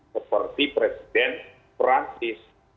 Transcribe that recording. seperti presiden perancis